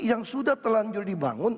yang sudah terlanjur dibangun